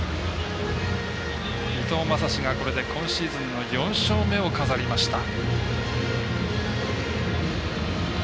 伊藤将司が、これで今シーズンの４勝目を飾りました。